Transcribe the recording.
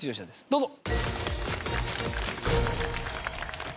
どうぞ。